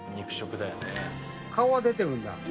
顔は出てるんだ